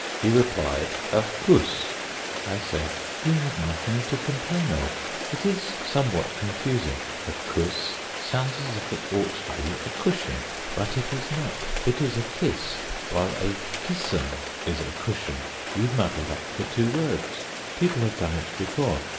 He replied: "A kuss." I said: "You have nothing to complain of. It is somewhat confusing. A 'kuss' sounds as if it ought to be a cushion, but it is not; it is a kiss, while a 'kissen' is a cushion. You muddled up the two words people have done it before.